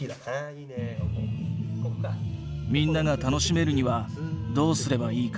みんなが楽しめるにはどうすればいいか。